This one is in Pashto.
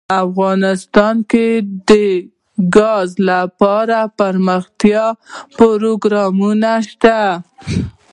افغانستان کې د ګاز لپاره دپرمختیا پروګرامونه شته.